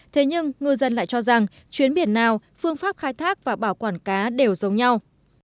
thế nhưng ngư dân lại cho rằng chuyến biển nào phương pháp khai thác và bảo quản cá đều giống nhau